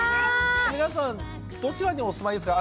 皆さんどちらにお住まいですか？